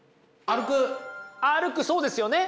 歩くそうですよね！